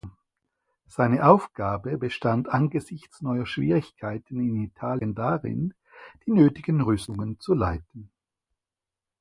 Seine Aufgabe bestand angesichts neuer Schwierigkeiten in Italien darin, die nötigen Rüstungen zu leiten.